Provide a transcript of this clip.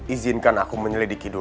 izinkan aku menyelidikannya